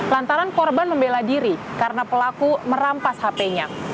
lantaran korban membela diri karena pelaku merampas hp nya